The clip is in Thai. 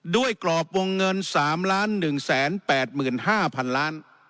ด้วยกรอบวงเงิน๓๑๘๕๐๐๐๐๐๐บาท